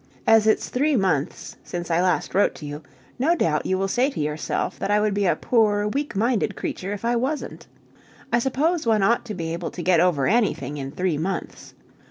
As it's three months since I last wrote to you, no doubt you will say to yourself that I would be a poor, weak minded creature if I wasn't. I suppose one ought to be able to get over anything in three months.